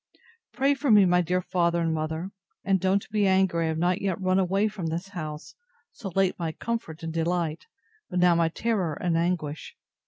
Pray for me, my dear father and mother: and don't be angry I have not yet run away from this house, so late my comfort and delight, but now my terror and anguish.